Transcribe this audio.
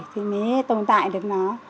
thì mới tồn tại được nó